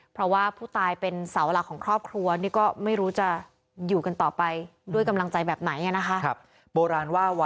เพราะว่าผู้ตายเป็นเสาหลักของครอบครัวนี่ก็ไม่รู้จะอยู่กันต่อไปด้วยกำลังใจแบบไหนนะคะ